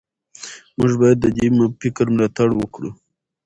موږ باید د دې فکر ملاتړ وکړو.